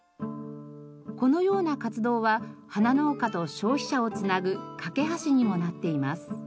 このような活動は花農家と消費者をつなぐ懸け橋にもなっています。